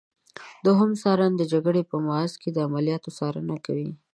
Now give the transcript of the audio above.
دوهم څارن د جګړې په محاذ کې د عملیاتو څارنه کوي.